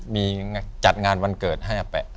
มีจัดงานวันเกิดให้อาแปะ